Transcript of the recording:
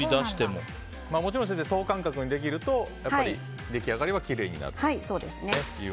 もちろん等間隔にできると出来上がりはきれいになると。